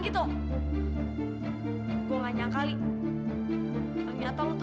sekarang mercy salah sangka lagi